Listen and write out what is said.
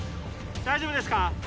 大丈夫ですか？